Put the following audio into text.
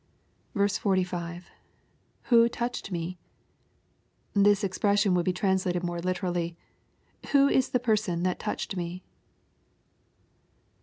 45. — [Who iotiched mef] This expression would be translated more literally, " Who is the person that touched me